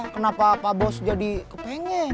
kenapa pak bos jadi kepengen